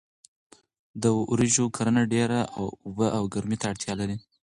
د وریژو کرنه ډیرو اوبو او ګرمۍ ته اړتیا لري.